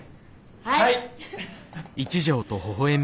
はい！